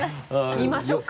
見ましょうか。